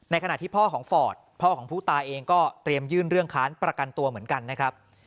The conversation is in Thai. ขณะที่พ่อของฟอร์ดพ่อของผู้ตายเองก็เตรียมยื่นเรื่องค้านประกันตัวเหมือนกันนะครับ